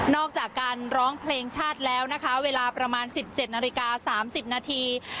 อกจากการร้องเพลงชาติแล้วนะคะเวลาประมาณ๑๗นาฬิกา๓๐นาที